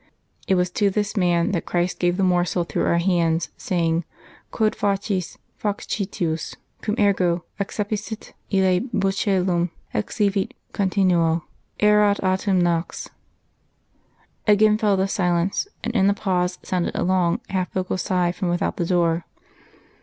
It was to this man that Christ gave the morsel through our hands, saying Quod faces, fac cities. Cum ergo accepisset Me buccellam, exivit continuo. Erat autem nox." Again fell the silence, and in the pause sounded a long half vocal sigh from without the door.